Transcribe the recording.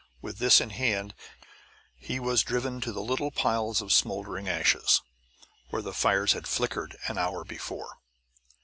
With this in hand, he was driven to the little piles of smoldering ashes, where the fires had flickered an hour before.